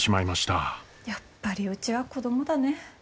やっぱりうちは子供だね。